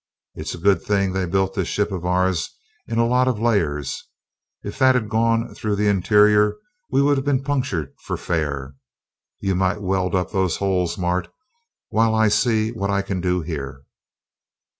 It's a good thing they built this ship of ours in a lot of layers if that'd go through the interior we would have been punctured for fair. You might weld up those holes, Mart, while I see what I can do here."